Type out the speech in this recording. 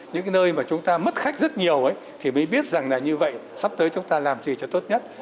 những cái nơi mà chúng ta mất khách rất nhiều thì mới biết rằng là như vậy sắp tới chúng ta làm gì cho tốt nhất